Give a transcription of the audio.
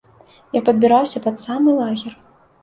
Я падбіраўся пад самы лагер.